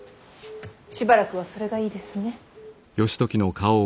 しばらくはそれがいいですね。